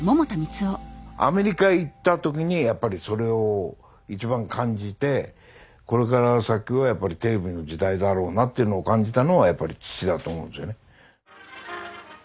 アメリカ行った時にやっぱりそれを一番感じてこれから先はやっぱりテレビの時代だろうなっていうのを感じたのはやっぱり父だと思うんですよね。